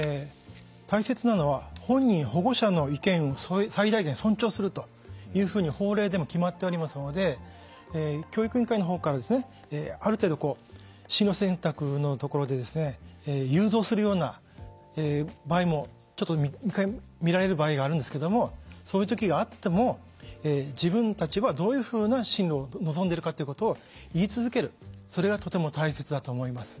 大切なのは本人保護者の意見を最大限尊重するというふうに法令でも決まっておりますので教育委員会の方からある程度進路選択のところで誘導するような場合もちょっと見られる場合があるんですけどもそういう時があっても自分たちはどういうふうな進路を望んでるかということを言い続けるそれがとても大切だと思います。